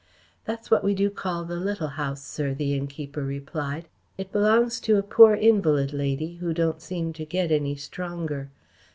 "That's what we do call the Little House, sir," the innkeeper replied. "It belongs to a poor invalid lady, who don't seem to get any stronger.